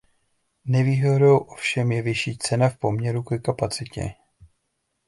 Nevýhodou ovšem je vyšší cena v poměru ke kapacitě.